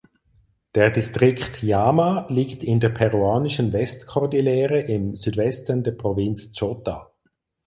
Der Distrikt Llama liegt in der peruanischen Westkordillere im Südwesten der Provinz Chota.